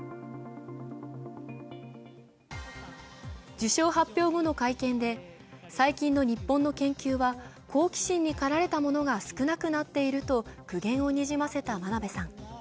受賞発表後の会見で、最近の日本の研究は好奇心にかられたものが少なくなっていると苦言をにじませた真鍋さん。